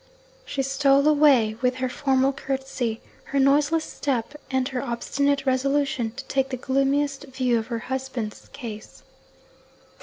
She stole away, with her formal curtsey, her noiseless step, and her obstinate resolution to take the gloomiest view of her husband's case.